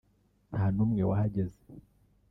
nta n’umwe wahageze